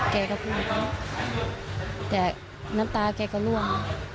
แกก็พูดแต่น้ำตาแกก็ล่วง